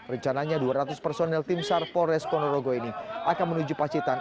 rencananya dua ratus personel tim sar polres ponorogo ini akan menuju pacitan